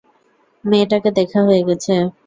মেয়েটাকে দেখা হয়ে গেছে।